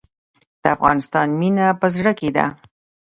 د افغانستان مینه په زړه کې ده